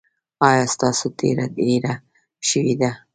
ایا ستاسو تیره هیره شوې ده؟